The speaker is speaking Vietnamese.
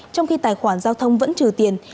trong khi tài khoản giao thông vẫn trừ tiền